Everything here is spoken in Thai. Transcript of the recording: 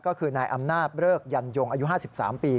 ก็คือนายอำนาจเริกยันยงอายุ๕๓ปี